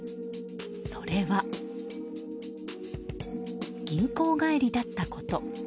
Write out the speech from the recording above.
それは、銀行帰りだったこと。